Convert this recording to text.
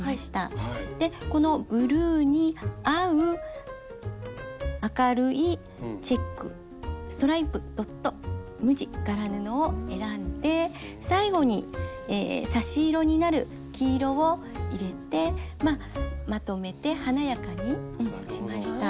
でこのブルーに合う明るいチェックストライプドット無地柄布を選んで最後に差し色になる黄色を入れてまとめて華やかにしました。